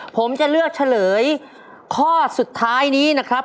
ผมจะเลือกเฉลยข้อสุดท้ายนี้นะครับ